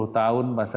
sepuluh tahun masa